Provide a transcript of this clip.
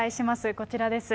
こちらです。